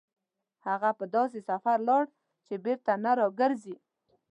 هغه په داسې سفر لاړ چې بېرته نه راګرځي.